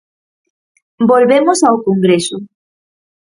Volvemos ao Congreso.